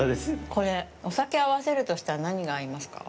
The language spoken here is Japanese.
これ、お酒、合わせるとしたら何が合いますか？